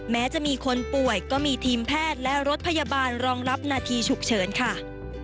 แม้จะมีคนป่วยก็มีทีมแพทย์และรถพยาบาลรองรับนาทีฉุกเฉินค่ะ